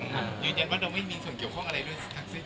อยู่ในว่าเราไม่มีส่วนเกี่ยวข้องอะไรด้วยทักซิ